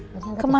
masa gak ada masal